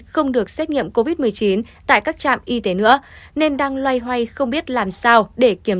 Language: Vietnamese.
không được xét nghiệm covid một mươi chín tại các trạm y tế nữa nên đang loay hoay không biết làm sao để kiểm